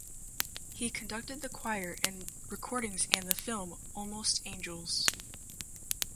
He conducted the choir in recordings and the film "Almost Angels".